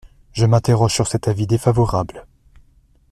Je m’interroge sur cet avis défavorable.